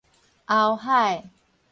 甌海